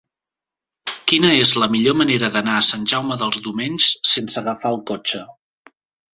Quina és la millor manera d'anar a Sant Jaume dels Domenys sense agafar el cotxe?